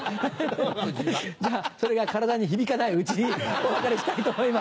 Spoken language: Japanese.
じゃあそれが体に響かないうちにお別れしたいと思います。